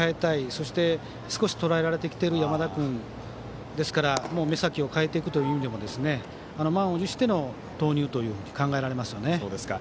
そして少しとらえられてきている山田君ですから目先を変えていくという意味でも満を持しての投入というふうに考えられますよね。